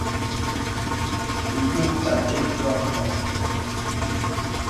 Ìbəŋ ta də́p ndɔ̄ a nkɔk.